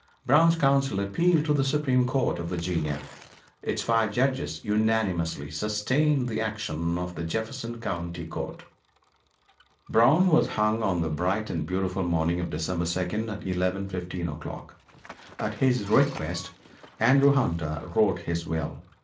Brown's counsel appealed to the Supreme Court of Virginia. Its five judges unanimously sustained the action of the Jefferson county court. Brown was hung on the bright and beautiful morning of December 2nd at 11:15 o'clock. At his request Andrew Hunter wrote his will.